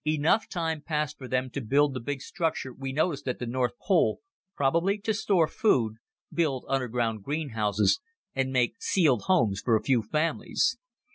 Enough time passed for them to build the big structure we noticed at the north pole, probably to store food, build underground greenhouses and make sealed homes for a few families.